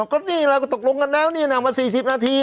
ก็นี่เราก็ตกลงกันแล้วนี่นะมา๔๐นาที